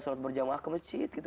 solat berjamah ke masjid gitu